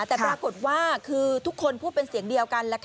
แต่ปรากฏว่าคือทุกคนพูดเป็นเสียงเดียวกัน